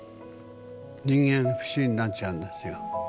人間不信になっちゃうんですよ。